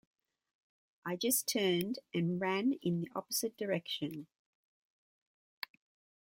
I just turned and ran in the opposite direction.